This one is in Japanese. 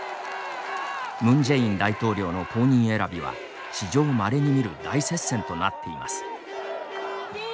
ムン・ジェイン大統領の後任選びは、史上まれに見る大接戦となっています。